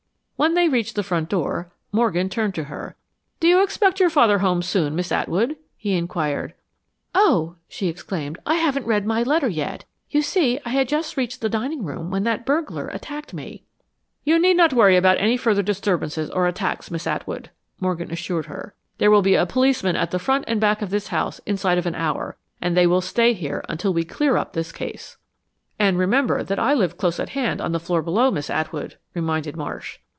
When they reached the front door, Morgan turned to her. "Do you expect your father home soon, Miss Atwood?" he inquired. "Oh," she exclaimed, "I haven't read my letter yet. You see, I had just reached the dining room when that burglar attacked me." "You need not worry about any further disturbances or attacks, Miss Atwood," Morgan assured her. "There will be a policeman at the front and back of this house inside of an hour, and they will stay here until we clear up this case." "And remember that I live close at hand, on the floor below, Miss Atwood," reminded Marsh.